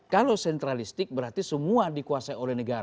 kalau sentralistik berarti semua dikuasai oleh negara